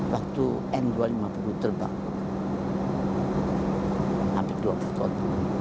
waktu n dua ratus lima puluh terbang hampir dua puluh ton